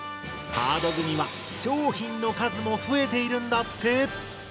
ハードグミは商品の数も増えているんだって！